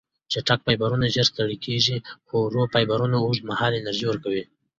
چټک فایبرونه ژر ستړې کېږي، خو ورو فایبرونه اوږدمهاله انرژي ورکوي.